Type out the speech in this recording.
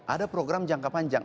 ada program jangka panjang